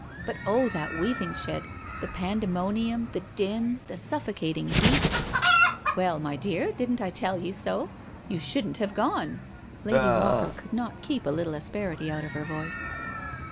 But oh, that weaving shed — the pandemonium— the din— the suffocating heat I "" Well, my dear, didn't I tell you so I You shouldn't have gone." Lady Walker could not keep a little asperity out of her voice.